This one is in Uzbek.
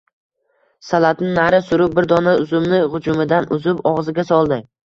Salatni nari surib, bir dona uzumni g`ujumidan uzib, og`ziga soldi